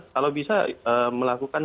kalau bisa melakukan